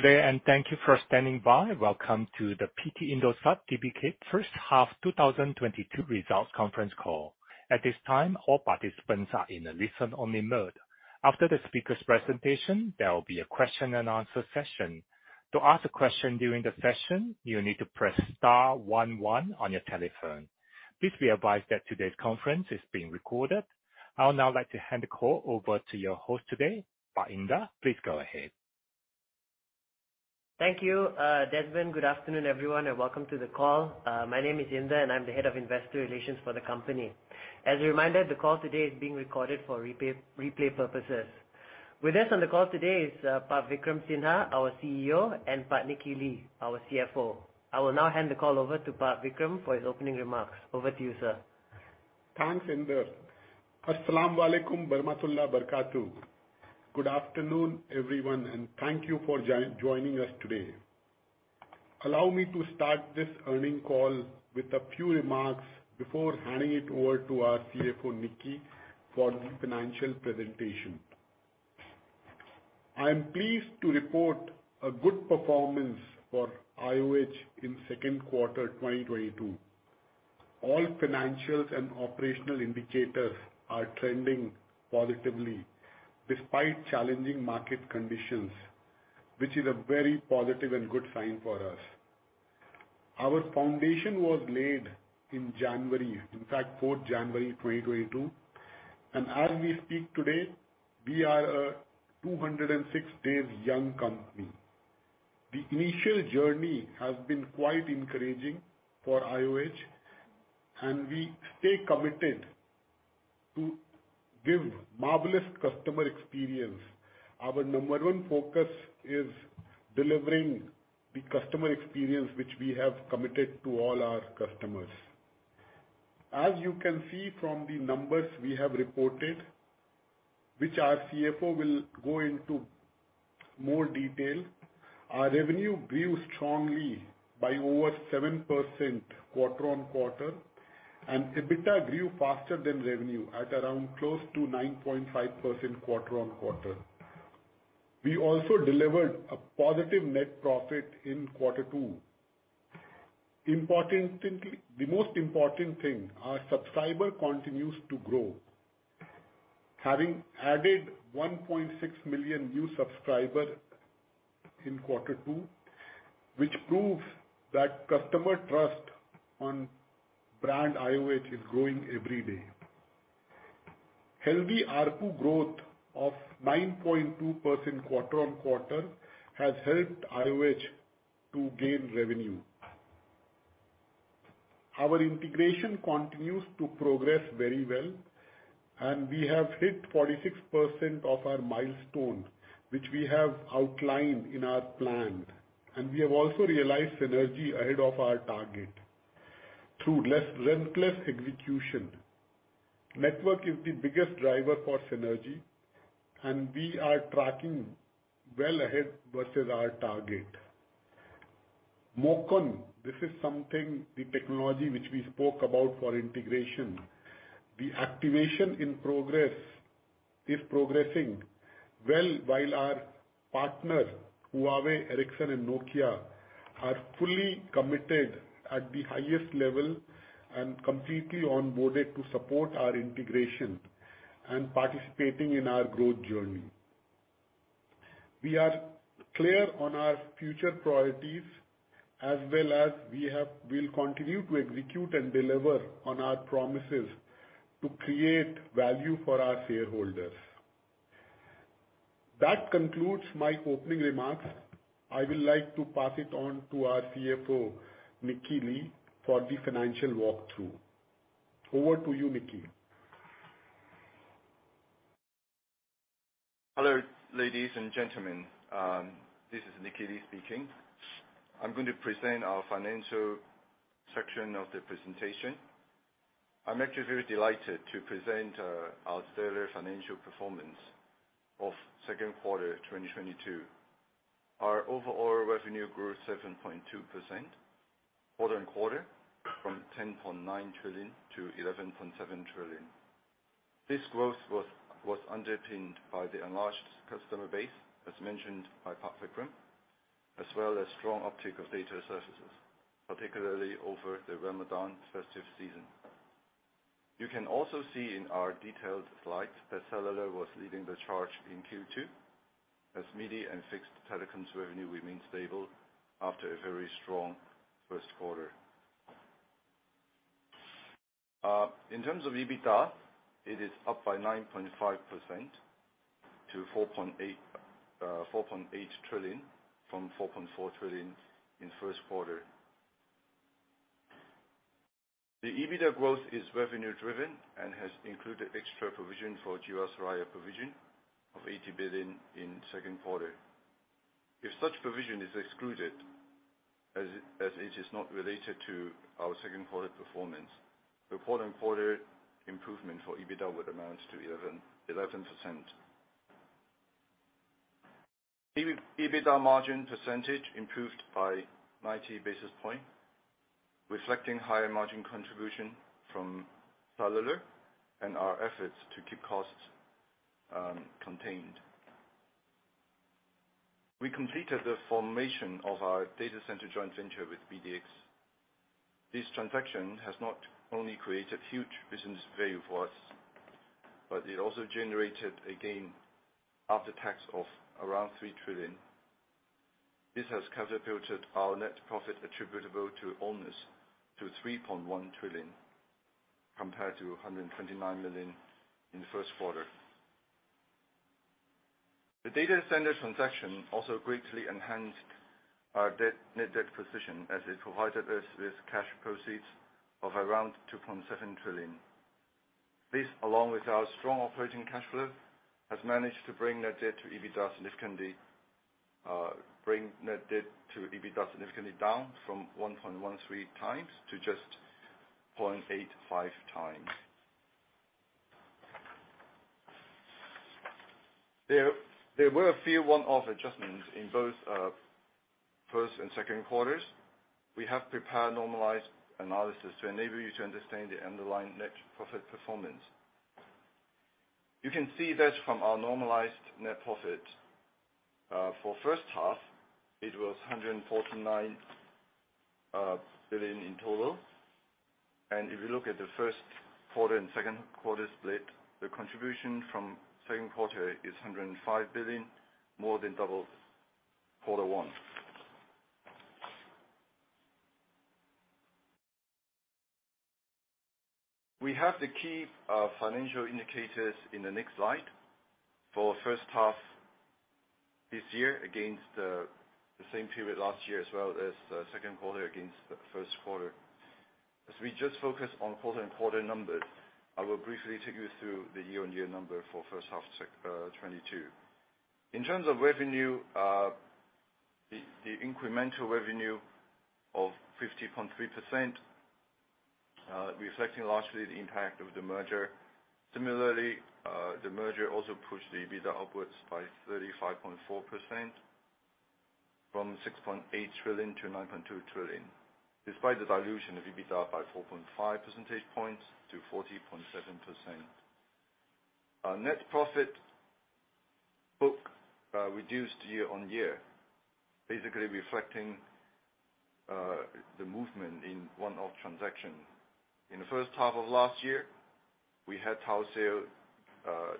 Today, thank you for standing by. Welcome to the PT Indosat Tbk first half 2022 results conference call. At this time, all participants are in a listen-only mode. After the speaker's presentation, there will be a question and answer session. To ask a question during the session, you need to press star one one on your telephone. Please be advised that today's conference is being recorded. I'll now like to hand the call over to your host today, Indar Dhaliwal. Please go ahead. Thank you, Desmond. Good afternoon, everyone, and welcome to the call. My name is Indar, and I'm the Head of Investor Relations for the company. As a reminder, the call today is being recorded for replay purposes. With us on the call today is Vikram Sinha, our CEO, and Nicky Lee, our CFO. I will now hand the call over to Vikram for his opening remarks. Over to you, sir. Thanks, Indar. Good afternoon, everyone, and thank you for joining us today. Allow me to start this earnings call with a few remarks before handing it over to our CFO, Nicky, for the financial presentation. I am pleased to report a good performance for IOH in second quarter 2022. All financials and operational indicators are trending positively despite challenging market conditions, which is a very positive and good sign for us. Our foundation was laid in January, in fact, 4th January 2022, and as we speak today, we are a 206 days young company. The initial journey has been quite encouraging for IOH, and we stay committed to give marvelous customer experience. Our number one focus is delivering the customer experience which we have committed to all our customers. As you can see from the numbers we have reported, which our CFO will go into more detail, our revenue grew strongly by over 7% quarter-on-quarter, and EBITDA grew faster than revenue at around close to 9.5% quarter-on-quarter. We also delivered a positive net profit in quarter two. Importantly. The most important thing, our subscriber continues to grow, having added 1.6 million new subscriber in quarter two, which proves that customer trust on brand IOH is growing every day. Healthy ARPU growth of 9.2% quarter-on-quarter has helped IOH to gain revenue. Our integration continues to progress very well, and we have hit 46% of our milestone, which we have outlined in our plan. We have also realized synergy ahead of our target through relentless execution. Network is the biggest driver for synergy, and we are tracking well ahead versus our target. MOCN, this is something, the technology which we spoke about for integration. The activation in progress is progressing well while our partners, Huawei, Ericsson, and Nokia, are fully committed at the highest level and completely onboarded to support our integration and participating in our growth journey. We are clear on our future priorities as well. We'll continue to execute and deliver on our promises to create value for our shareholders. That concludes my opening remarks. I would like to pass it on to our CFO, Nicky Lee, for the financial walk through. Over to you, Nicky. Hello, ladies and gentlemen. This is Nicky Lee speaking. I'm going to present our financial section of the presentation. I'm actually very delighted to present our stellar financial performance of second quarter 2022. Our overall revenue grew 7.2% quarter-over-quarter from 10.9 trillion to 11.7 trillion. This growth was underpinned by the enlarged customer base, as mentioned by Vikram, as well as strong uptick of data services, particularly over the Ramadan festive season. You can also see in our detailed slides that cellular was leading the charge in Q2, as media and fixed telecoms revenue remain stable after a very strong first quarter. In terms of EBITDA, it is up by 9.5% to 4.8 trillion from 4.4 trillion in first quarter. The EBITDA growth is revenue driven and has included extra provision for Jiwasraya provision of 80 billion in second quarter. If such provision is excluded, as it is not related to our second quarter performance, the quarter-on-quarter improvement for EBITDA would amount to 11%. EBITDA margin improved by 90 basis points. Reflecting higher margin contribution from Cellular and our efforts to keep costs contained. We completed the formation of our data center joint venture with BDx. This transaction has not only created huge business value for us, but it also generated a gain after tax of around 3 trillion. This has catapulted our net profit attributable to owners to 3.1 trillion, compared to 129 million in the first quarter. The data center transaction also greatly enhanced our net debt position as it provided us with cash proceeds of around 2.7 trillion. This, along with our strong operating cash flow, has managed to bring net debt to EBITDA significantly down from 1.13x to just 0.85x. There were a few one-off adjustments in both first and second quarters. We have prepared normalized analysis to enable you to understand the underlying net profit performance. You can see that from our normalized net profit. For first half, it was 149 billion in total. If you look at the first quarter and second quarter split, the contribution from second quarter is 105 billion, more than double quarter one. We have the key financial indicators in the next slide for first half this year against the same period last year as well as the second quarter against the first quarter. As we just focus on quarter-on-quarter numbers, I will briefly take you through the year-on-year number for first half 2022. In terms of revenue, the incremental revenue of 50.3%, reflecting largely the impact of the merger. Similarly, the merger also pushed the EBITDA upwards by 35.4% from 6.8 trillion to 9.2 trillion, despite the dilution of EBITDA by 4.5 percentage points to 40.7%. Our net profit book reduced year-on-year, basically reflecting the movement in one-off transaction. In the first half of last year, we had tower sale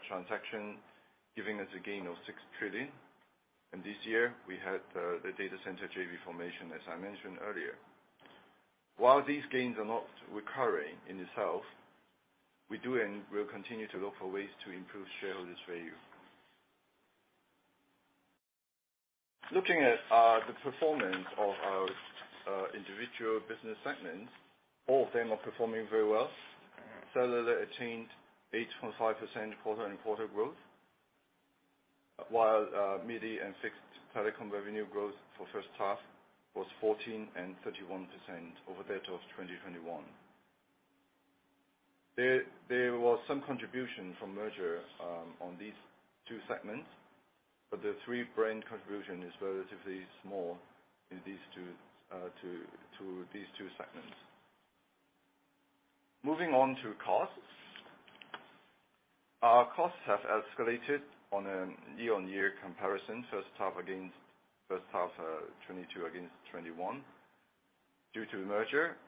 transaction, giving us a gain of 6 trillion. This year we had the data center JV formation, as I mentioned earlier. While these gains are not recurring in itself, we do and will continue to look for ways to improve shareholders value. Looking at the performance of our individual business segments, all of them are performing very well. Cellular attained 8.5% quarter-on-quarter growth, while MIDI and fixed telecom revenue growth for first half was 14% and 31% over that of 2021. There was some contribution from merger on these two segments, but the Tri brand contribution is relatively small in these two segments. Moving on to costs. Our costs have escalated on a year-on-year comparison first half against first half, 2022 against 2021 due to the merger.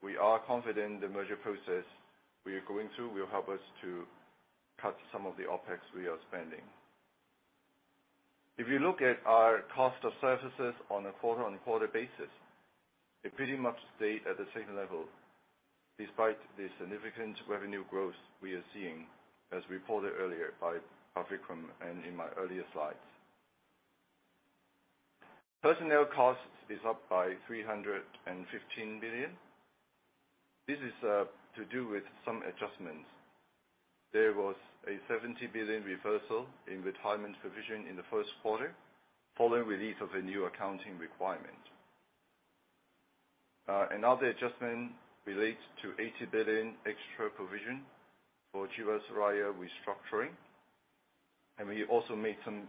We are confident the merger process we are going through will help us to cut some of the OpEx we are spending. If you look at our cost of services on a quarter-on-quarter basis, they pretty much stay at the same level despite the significant revenue growth we are seeing as reported earlier by Vikram and in my earlier slides. Personnel costs is up by 315 billion. This is to do with some adjustments. There was a 70 billion reversal in retirement provision in the first quarter, following release of a new accounting requirement. Another adjustment relates to 80 billion extra provision for Jiwasraya restructuring. We also made some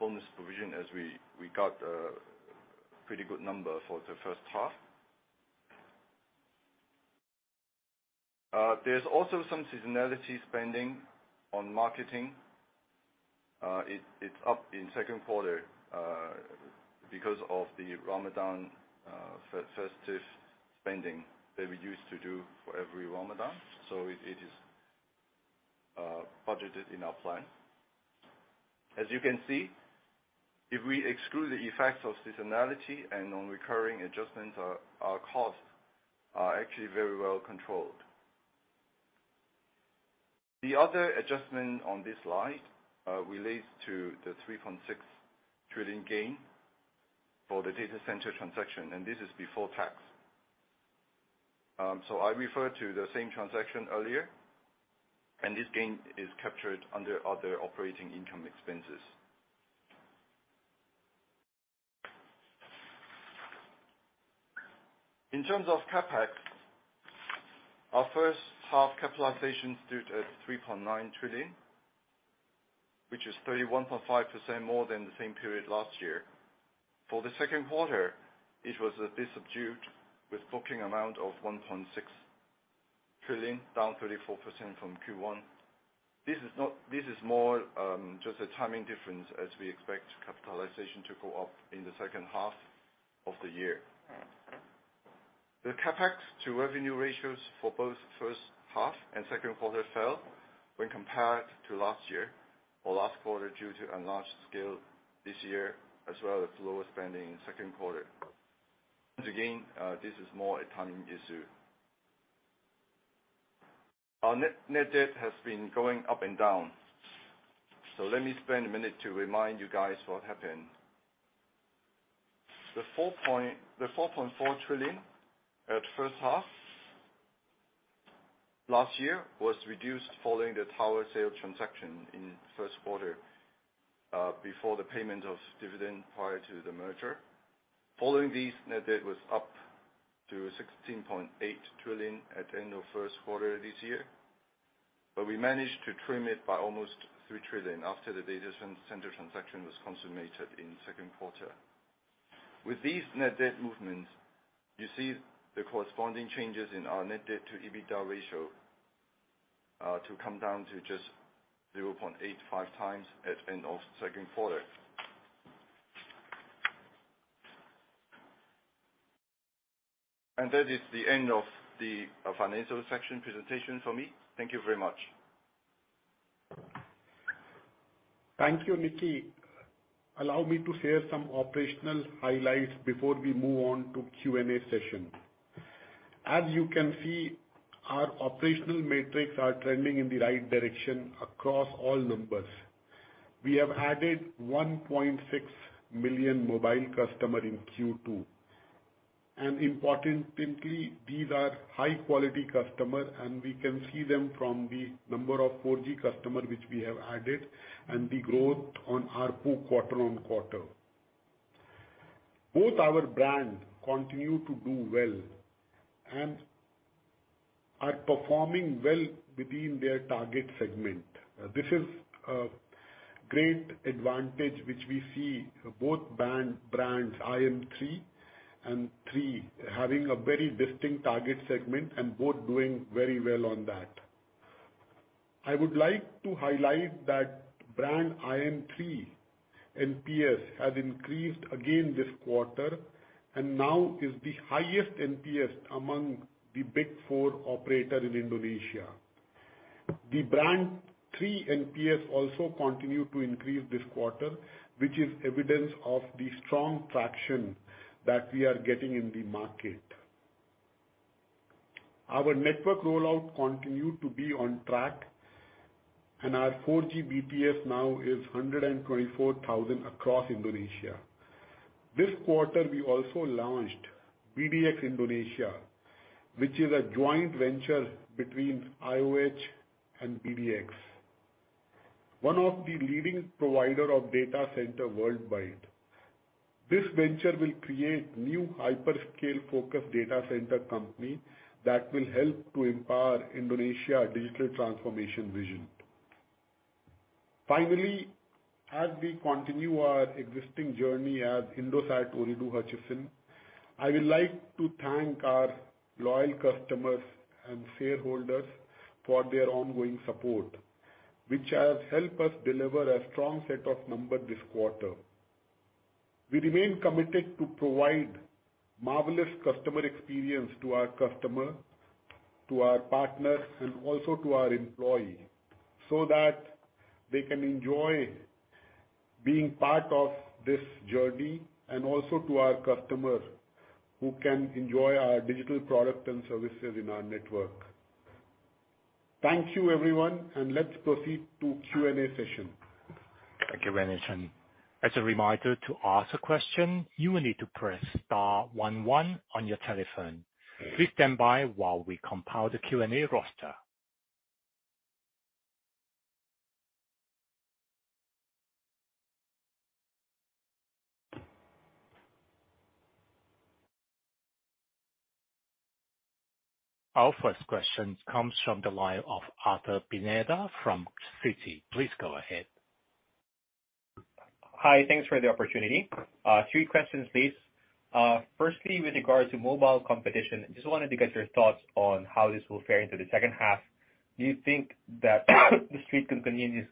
bonus provision as we got a pretty good number for the first half. There's also some seasonality spending on marketing. It's up in second quarter because of the Ramadan festive spending that we used to do for every Ramadan. It is budgeted in our plan. As you can see, if we exclude the effects of seasonality and non-recurring adjustments, our costs are actually very well controlled. The other adjustment on this slide relates to the 3.6 trillion gain for the data center transaction, and this is before tax. I referred to the same transaction earlier, and this gain is captured under other operating income expenses. In terms of CapEx, our first half capitalizations stood at 3.9 trillion, which is 31.5% more than the same period last year. For the second quarter, it was a bit subdued, with booking amount of 1.6 trillion, down 34% from Q1. This is more just a timing difference as we expect capitalization to go up in the second half of the year. The CapEx to revenue ratios for both first half and second quarter fell when compared to last year or last quarter due to enlarged scale this year, as well as lower spending in second quarter. Once again, this is more a timing issue. Our net-net debt has been going up and down. Let me spend a minute to remind you guys what happened. The four point The 4.4 trillion at first half last year was reduced following the tower sale transaction in first quarter, before the payment of dividend prior to the merger. Following these, net debt was up to 16.8 trillion at end of first quarter this year, but we managed to trim it by almost 3 trillion after the data center transaction was consummated in second quarter. With these net debt movements, you see the corresponding changes in our net debt to EBITDA ratio to come down to just 0.85 times at end of second quarter. That is the end of the financial section presentation for me. Thank you very much. Thank you, Nicky. Allow me to share some operational highlights before we move on to Q&A session. As you can see, our operational metrics are trending in the right direction across all numbers. We have added 1.6 million mobile customers in Q2. Importantly, these are high quality customers, and we can see them from the number of 4G customers which we have added and the growth on ARPU quarter-on-quarter. Both our brands continue to do well and are performing well within their target segment. This is a great advantage which we see both brands, IM3 and Tri, having a very distinct target segment and both doing very well on that. I would like to highlight that brand IM3 NPS has increased again this quarter and now is the highest NPS among the big four operators in Indonesia. The IM3 NPS also continue to increase this quarter, which is evidence of the strong traction that we are getting in the market. Our network rollout continue to be on track, and our 4G BTS now is 124,000 across Indonesia. This quarter, we also launched BDx Indonesia, which is a joint venture between IOH and BDx, one of the leading provider of data center worldwide. This venture will create new hyperscale focused data center company that will help to empower Indonesia digital transformation vision. Finally, as we continue our existing journey as Indosat Ooredoo Hutchison, I would like to thank our loyal customers and shareholders for their ongoing support, which has helped us deliver a strong set of numbers this quarter. We remain committed to provide marvelous customer experience to our customer, to our partners, and also to our employee, so that they can enjoy being part of this journey, and also to our customers who can enjoy our digital product and services in our network. Thank you, everyone, and let's proceed to Q&A session. Thank you, everyone. As a reminder, to ask a question, you will need to press star one one on your telephone. Please stand by while we compile the Q&A roster. Our first question comes from the line of Arthur Pineda from Citi. Please go ahead. Hi. Thanks for the opportunity. Three questions, please. Firstly, with regards to mobile competition, just wanted to get your thoughts on how this will fare into the second half. Do you think that the sector can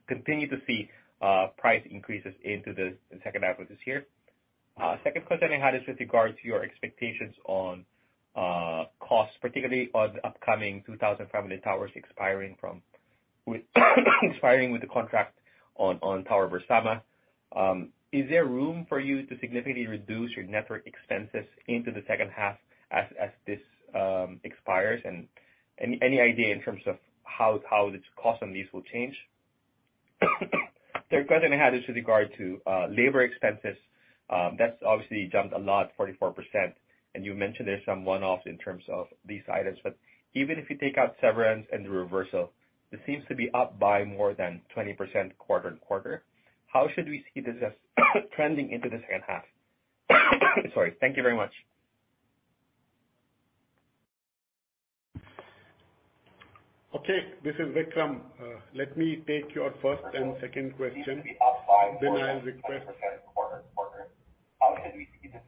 continue to see price increases into the second half of this year? Second question I had is with regards to your expectations on costs, particularly on the upcoming 2000 family towers expiring with the contract on Tower Bersama. Is there room for you to significantly reduce your network expenses into the second half as this expires? Any idea in terms of how this cost on these will change? Third question I had is with regard to labor expenses. That's obviously jumped a lot, 44%. You mentioned there's some one-off in terms of these items, but even if you take out severance and the reversal, it seems to be up by more than 20% quarter-over-quarter. How should we see this as trending into the second half? Sorry. Thank you very much. Okay, this is Vikram. Let me take your first and second question, then I'll request- Needs to be up by 20% quarter-over-quarter. How should we see this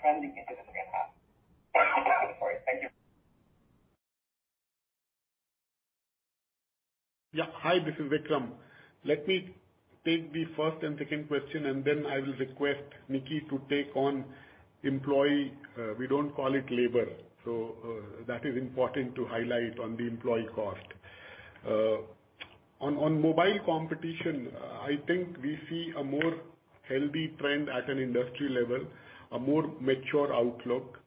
trending into the second half? Thank you. Yeah. Hi, this is Vikram. Let me take the first and second question, and then I will request Nicky to take on employee, we don't call it labor, so, that is important to highlight on the employee cost. On mobile competition, I think we see a more healthy trend at an industry level, a more mature outlook.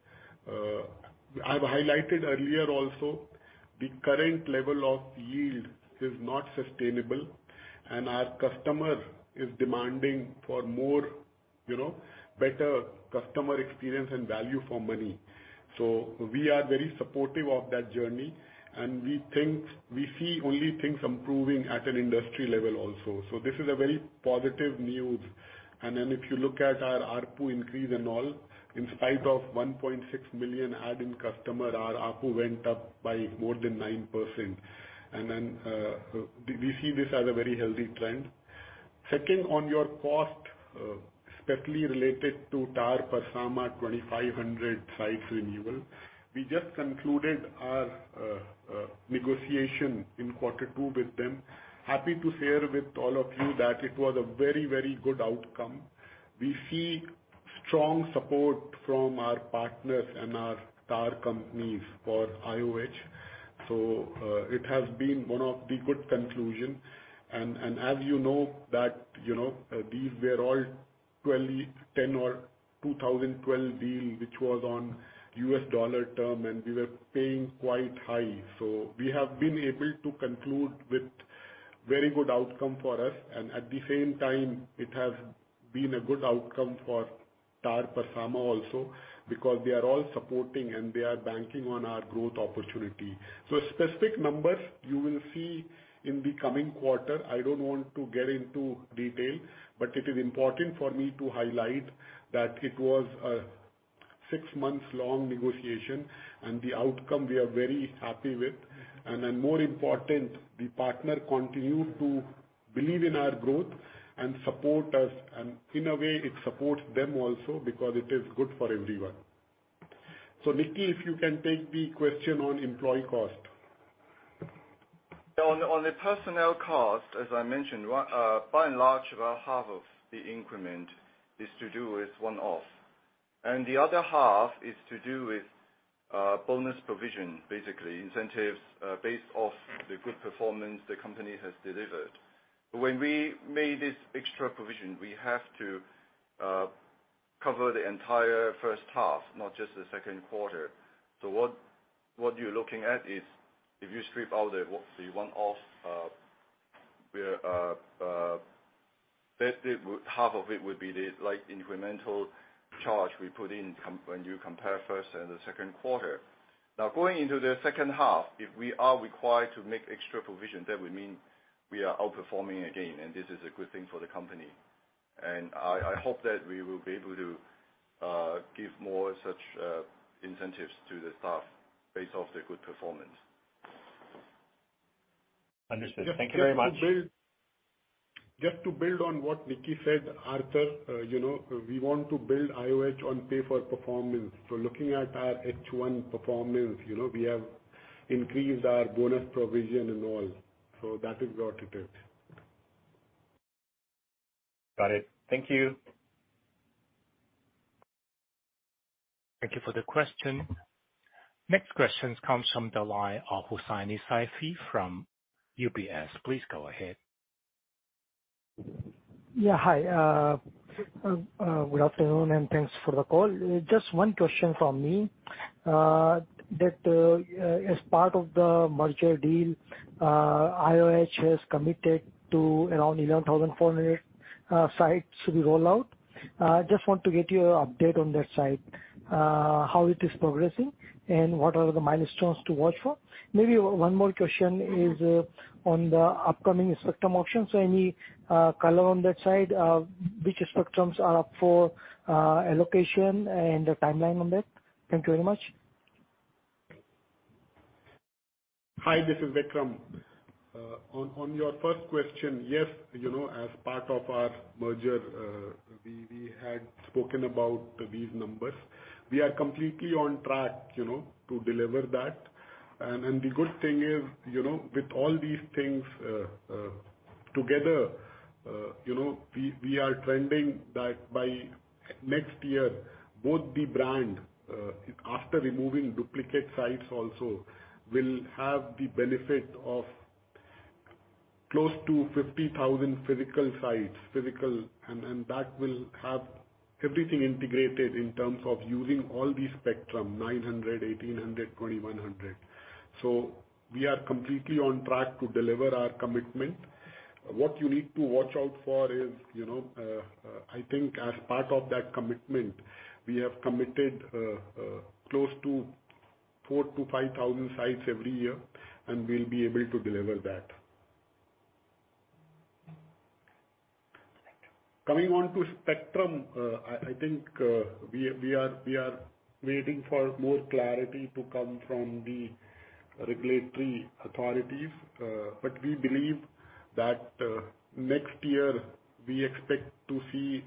I've highlighted earlier also the current level of yield is not sustainable, and our customer is demanding for more, you know, better customer experience and value for money. We are very supportive of that journey, and we think we see only things improving at an industry level also. This is a very positive news. If you look at our ARPU increase and all, in spite of 1.6 million addition in customers, our ARPU went up by more than 9%. We see this as a very healthy trend. Second, on your cost, especially related to Tower Bersama 2,500 sites renewal, we just concluded our negotiation in quarter two with them. Happy to share with all of you that it was a very, very good outcome. We see strong support from our partners and our tower companies for IOH. It has been one of the good conclusion. As you know that, you know, these were all 2010 or 2012 deal which was on US dollar term, and we were paying quite high. We have been able to conclude with very good outcome for us and at the same time it has been a good outcome for Tower Bersama also because they are all supporting and they are banking on our growth opportunity. Specific numbers you will see in the coming quarter. I don't want to get into detail, but it is important for me to highlight that it was a six months long negotiation and the outcome we are very happy with. More important, the partner continued to believe in our growth and support us. In a way it supports them also because it is good for everyone. Nicky, if you can take the question on employee cost. On the personnel cost, as I mentioned, by and large about half of the increment is to do with one-off, and the other half is to do with bonus provision, basically incentives based off the good performance the company has delivered. When we made this extra provision, we have to cover the entire first half, not just the second quarter. What you're looking at is if you strip out the one-off, half of it would be the like incremental charge we put in when you compare first and the second quarter. Now going into the second half, if we are required to make extra provision, that would mean we are outperforming again, and this is a good thing for the company. I hope that we will be able to give more such incentives to the staff based off their good performance. Understood. Thank you very much. Just to build on what Nicky said, Arthur, you know, we want to build IOH on pay for performance. Looking at our H1 performance, you know, we have increased our bonus provision and all. That is what it is. Got it. Thank you. Thank you for the question. Next question comes from the line of Joshua Arief from UBS. Please go ahead. Yeah. Hi, good afternoon, and thanks for the call. Just one question from me. As part of the merger deal, IOH has committed to around 11,400 sites to be rolled out. Just want to get your update on that site, how it is progressing and what are the milestones to watch for. Maybe one more question is on the upcoming spectrum auction. Any color on that side of which spectrums are up for allocation and the timeline on that? Thank you very much. Hi, this is Vikram. On your first question, yes. You know, as part of our merger, we had spoken about these numbers. We are completely on track, you know, to deliver that. The good thing is, you know, with all these things together, you know, we are trending that by next year, both the brand, after removing duplicate sites also will have the benefit of close to 50,000 physical sites. That will have everything integrated in terms of using all the spectrum, 900 sites, 1,800 sites 2,100 sites. We are completely on track to deliver our commitment. What you need to watch out for is, you know, I think as part of that commitment, we have committed close to 4,000-5,000 sites every year, and we'll be able to deliver that. Coming on to spectrum, I think we are waiting for more clarity to come from the regulatory authorities. We believe that next year we expect to see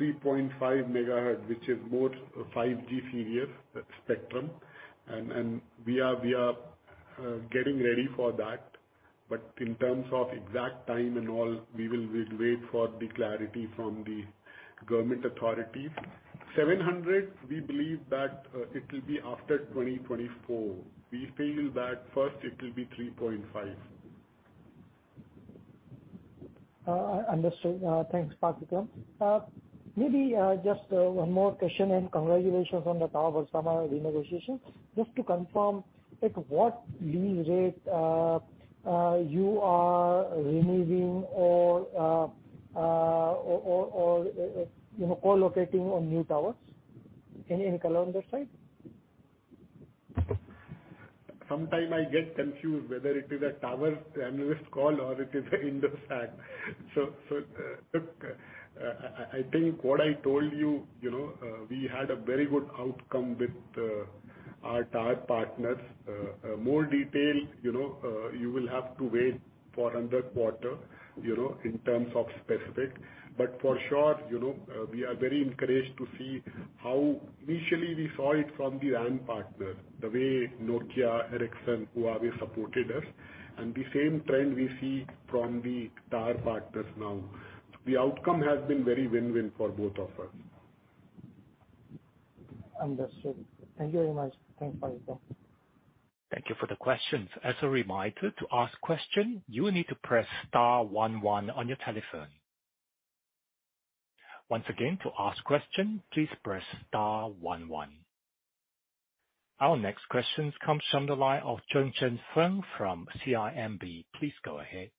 3.5 MHz, which is more 5G suitable spectrum. We are getting ready for that. In terms of exact time and all, we will wait for the clarity from the government authorities. 700 sites, we believe that it will be after 2024. We feel that first it will be 3.5 MHz. Understood. Thanks, Vikram. Maybe just one more question and congratulations on the tower sale renegotiation. Just to confirm, like, what lease rate you are removing or, you know, co-locating on new towers? Any color on this side? Sometimes I get confused whether it is a tower analyst call or it is Indus Towers. Look, I think what I told you know, we had a very good outcome with our tower partners. More detail, you know, you will have to wait for another quarter, you know, in terms of specific. For sure, you know, we are very encouraged to see how initially we saw it from the RAN partner, the way Nokia, Ericsson, Huawei supported us, and the same trend we see from the tower partners now. The outcome has been very win-win for both of us. Understood. Thank you very much. Thanks, Vikram Sinha. Thank you for the questions. As a reminder, to ask question, you will need to press star one one on your telephone. Once again, to ask question, please press star one one. Our next question comes from the line of Foong Choong Chen from CIMB. Please go ahead.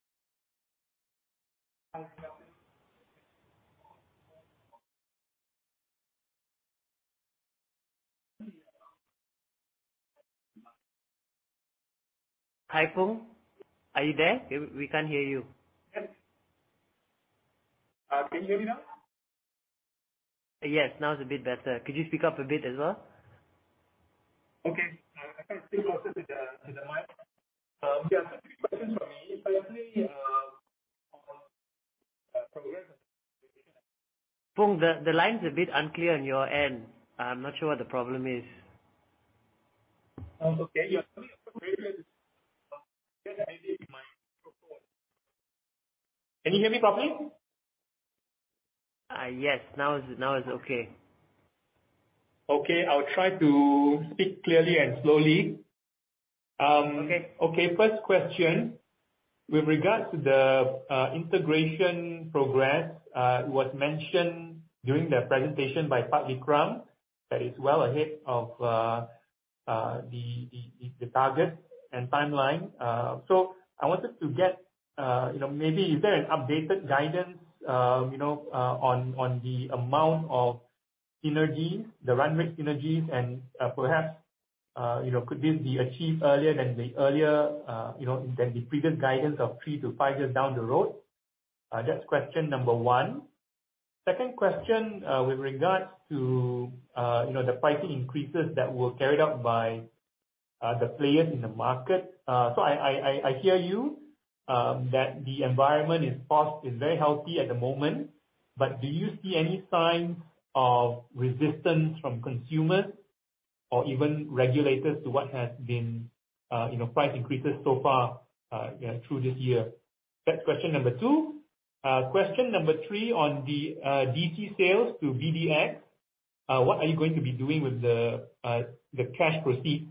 Hi, Fung. Are you there? We can't hear you. Can you hear me now? Yes. Now it's a bit better. Could you speak up a bit as well? Okay. I think I'm closer to the mic. Yeah. Two questions from me. Firstly, on progress. Fung, the line's a bit unclear on your end. I'm not sure what the problem is. Okay. Yeah. Maybe it's my microphone. Can you hear me properly? Yes. Now it's okay. Okay. I'll try to speak clearly and slowly. Okay. Okay. First question, with regards to the integration progress, it was mentioned during the presentation by Vikram Sinha that it's well ahead of the target and timeline. I wanted to get you know, maybe is there an updated guidance you know on the amount of synergies, the run rate synergies and perhaps you know, could this be achieved earlier than the previous guidance of three to five years down the road? That's question number one. Second question, with regards to you know, the pricing increases that were carried out by the players in the market. I hear you that the environment is very healthy at the moment. Do you see any signs of resistance from consumers or even regulators to what has been, you know, price increases so far, you know, through this year? That's question number two. Question number three on the DC sales to BDx. What are you going to be doing with the cash proceeds?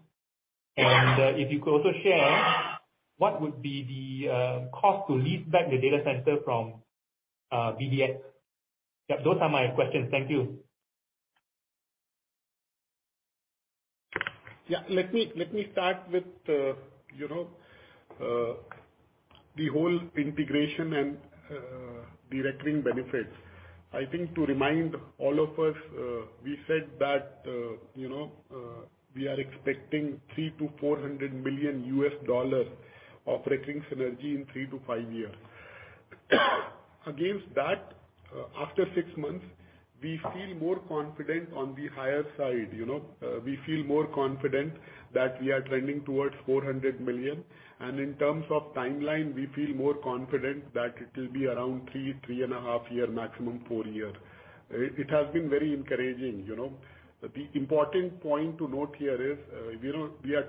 And if you could also share what would be the cost to lease back the data center from BDx? Yeah, those are my questions. Thank you. Yeah. Let me start with the you know, the whole integration and the recurring benefits. I think to remind all of us, we said that, you know, we are expecting $300 million-$400 million operating synergy in three to five years. Against that, after six months, we feel more confident on the higher side, you know. We feel more confident that we are trending towards $400 million. In terms of timeline, we feel more confident that it will be around three, 3.5 years, maximum four years. It has been very encouraging, you know. The important point to note here is, you know, we are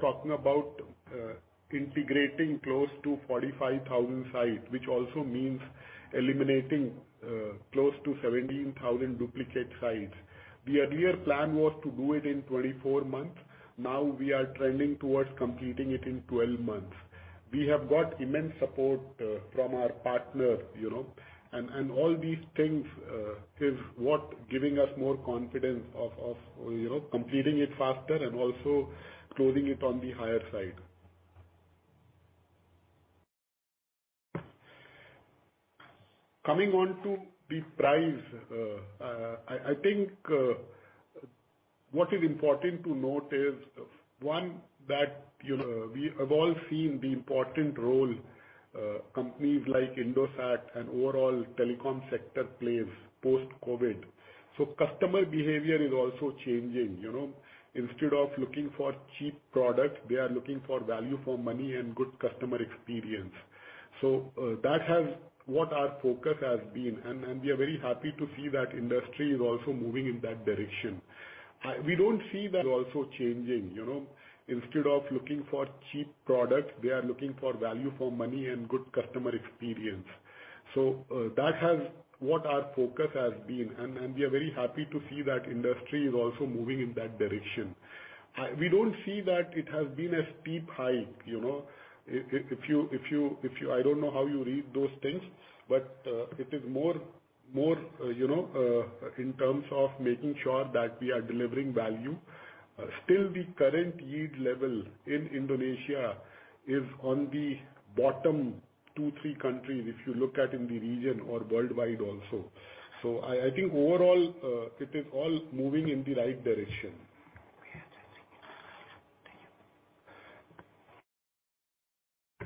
talking about integrating close to 45,000 sites, which also means eliminating close to 17,000 duplicate sites. The earlier plan was to do it in 24 months. Now we are trending towards completing it in 12 months. We have got immense support from our partners, you know, and all these things is what giving us more confidence of completing it faster and also closing it on the higher side. Coming on to the price, what is important to note is, one, that you know, we have all seen the important role companies like Indosat and overall telecom sector plays post-COVID. Customer behavior is also changing. You know, instead of looking for cheap products, they are looking for value for money and good customer experience. that has what our focus has been. we are very happy to see that industry is also moving in that direction. We don't see that also changing, you know. Instead of looking for cheap products, they are looking for value for money and good customer experience. that has what our focus has been. we are very happy to see that industry is also moving in that direction. We don't see that it has been a steep hike, you know. I don't know how you read those things, but it is more, you know, in terms of making sure that we are delivering value. Still the current yield level in Indonesia is on the bottom two, three countries, if you look at in the region or worldwide also. I think overall, it is all moving in the right direction.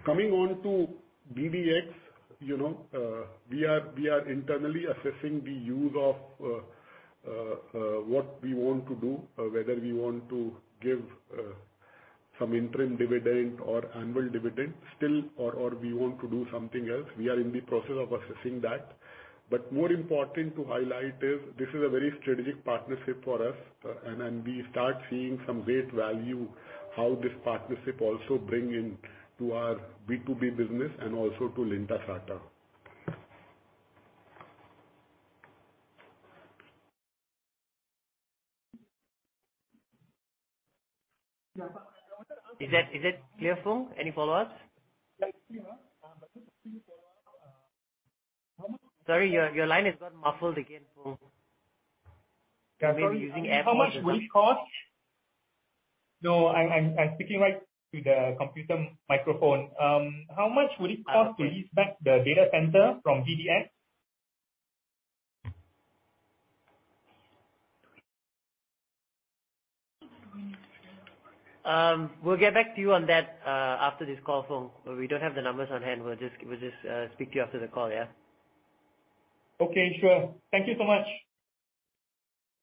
Coming on to BDx, you know, we are internally assessing the use of what we want to do, whether we want to give some interim dividend or annual dividend still or we want to do something else. We are in the process of assessing that. More important to highlight is this is a very strategic partnership for us, and we start seeing some great value, how this partnership also bring in to our B2B business and also to Lintasarta. Is that clear, Fung? Any follow-ups? Sorry, your line has gone muffled again, Fung. You may be using AirPods or something. How much will it cost? No, I'm speaking right to the computer microphone. How much will it cost to lease back the data center from BDx? We'll get back to you on that after this call, Chen. We don't have the numbers on hand. We'll just speak to you after the call, yeah? Okay. Sure. Thank you so much.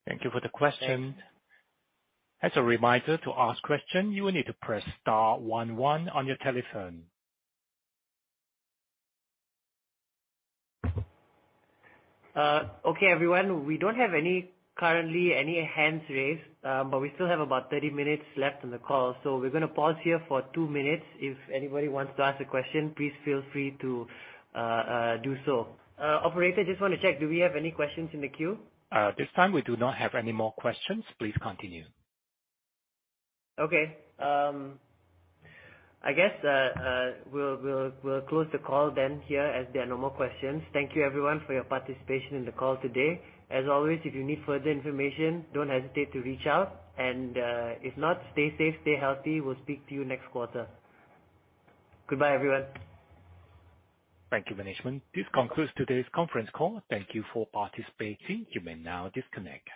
Thank you for the question. Thank you. As a reminder, to ask question, you will need to press star one one on your telephone. Okay, everyone. We don't have any hands raised currently, but we still have about 30 minutes left in the call, so we're gonna pause here for two minutes. If anybody wants to ask a question, please feel free to do so. Operator, just wanna check, do we have any questions in the queue? At this time we do not have any more questions. Please continue. Okay. I guess, we'll close the call then here as there are no more questions. Thank you everyone for your participation in the call today. As always, if you need further information, don't hesitate to reach out and, if not, stay safe, stay healthy. We'll speak to you next quarter. Goodbye, everyone. Thank you, management. This concludes today's conference call. Thank you for participating. You may now disconnect.